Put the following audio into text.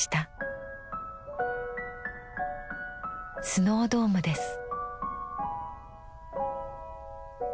スノードームです。